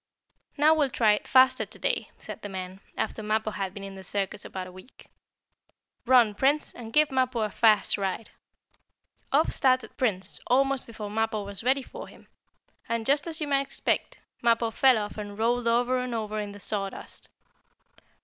"Now we'll try it faster to day," said the man, after Mappo had been in the circus about a week. "Run, Prince, and give Mappo a fast ride." Off started Prince, almost before Mappo was ready for him. And, just as you might expect, Mappo fell off and rolled over and over in the sawdust.